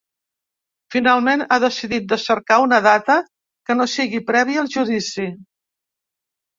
Finalment ha decidit de cercar una data que no sigui prèvia al judici.